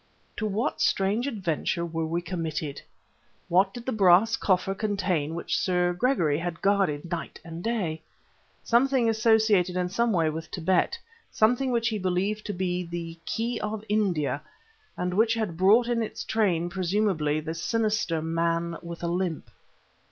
To what strange adventure were we committed? What did the brass coffer contain which Sir Gregory had guarded night and day? Something associated in some way with Tibet, something which he believed to be "the key of India" and which had brought in its train, presumably, the sinister "man with a limp."